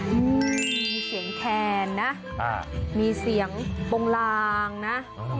มีเสียงแขนนะมีเสียงปลงลางนะ